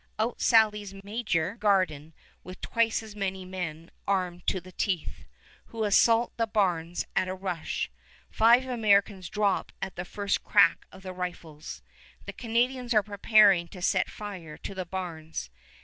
out sallies Major Garden with twice as many men armed to the teeth, who assault the barns at a rush. Five Americans drop at the first crack of the rifles. The Canadians are preparing to set fire to the barns.